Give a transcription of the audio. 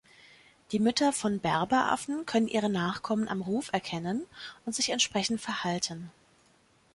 Die Mütter von Berberaffen können ihre Nachkommen am Ruf erkennen und sich entsprechend verhalten.